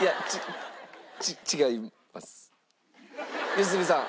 良純さん。